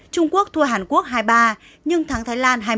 trung quốc thua hàn quốc hai ba nhưng thắng thái lan hai một